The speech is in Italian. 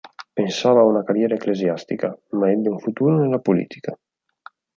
Pensava a una carriera ecclesiastica, ma ebbe un futuro nella politica.